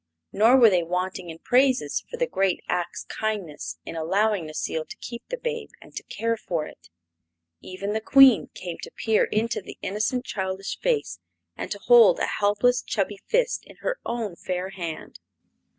Nor were they wanting in praises for the great Ak's kindness in allowing Necile to keep the babe and to care for it. Even the Queen came to peer into the innocent childish face and to hold a helpless, chubby fist in her own fair hand.